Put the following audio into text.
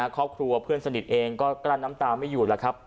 ครอบครัวเพื่อนสนิทเองก็กลั้นน้ำตาไม่อยู่แล้วครับ